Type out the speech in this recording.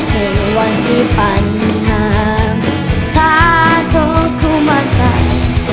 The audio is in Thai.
ในวันที่ปัญหาถ้าทุกครูมาสัก